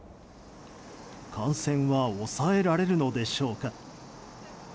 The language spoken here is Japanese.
感染は抑えられるのでしょうか。